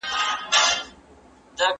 واصله چې پخپله ناپوهي و پوهیدلې